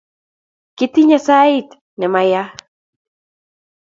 Kitinye sait nemayaa